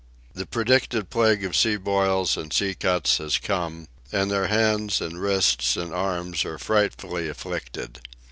The predicted plague of sea boils and sea cuts has come, and their hands and wrists and arms are frightfully afflicted.